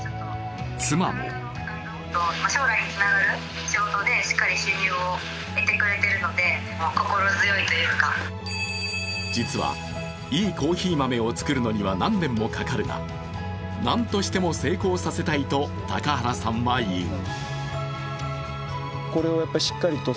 妻も実は、いいコーヒー豆を作るのには何年もかかるがなんとしても成功させたいと高原さんは言う。